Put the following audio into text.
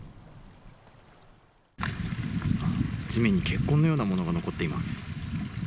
地面に血痕のようなものが残っています。